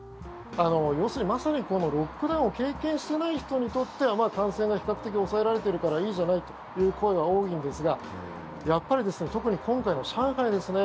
要するにまさにロックダウンを経験していない人にとっては感染が比較的抑えられているからいいじゃないという声が多いんですがやっぱり特に今回は上海ですね